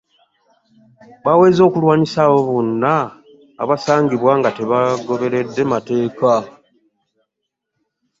Baweze okulwanyisa abo bonna abasangibwa nga tebagoberera mateeka